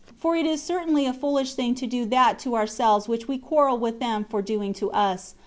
For it is certainly a foolish thing to do that to ourselves which we quarrel with them for doing to us.